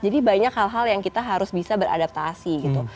jadi banyak hal hal yang kita harus bisa beradaptasi gitu